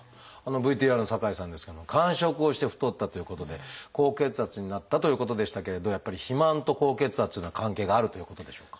ＶＴＲの酒井さんですけれども間食をして太ったということで高血圧になったということでしたけれどやっぱり肥満と高血圧というのは関係があるということでしょうか？